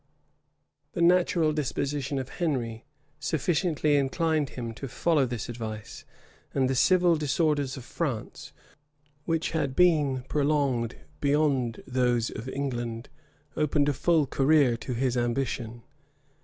The natural disposition of Henry sufficiently inclined him to follow this advice, and the civil disorders of France, which had been prolonged beyond those of England, opened a full career to his ambition.